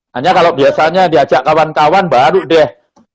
hanya kalau biasanya diajak kawan kawan baru deh